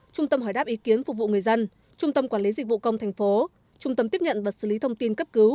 trung tâm hỏi đáp ý kiến phục vụ người dân trung tâm quản lý dịch vụ công thành phố trung tâm tiếp nhận và xử lý thông tin cấp cứu